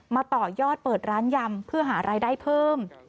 ต่อยอดเปิดร้านยำเพื่อหารายได้เพิ่ม